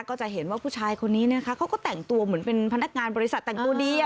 ก็จะเห็นว่าผู้ชายคนนี้นะคะเขาก็แต่งตัวเหมือนเป็นพนักงานบริษัทแต่งตัวดี